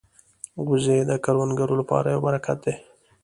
وزې د کروندګرو لپاره یو برکت دي